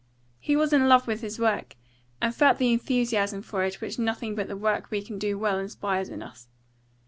He was in love with his work, and he felt the enthusiasm for it which nothing but the work we can do well inspires in us.